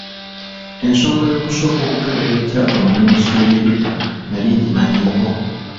Ensonga y’okusooka okukebera ekyapa mu minisitule y'eby'ettaka nali ngimanyiiko.